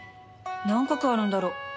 何画あるんだろう